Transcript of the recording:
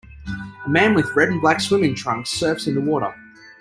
A man with red and black swimming trunks surfs in the water.